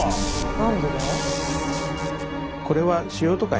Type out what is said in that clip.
何でだ？